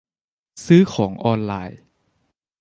ซื้อของออนไลน์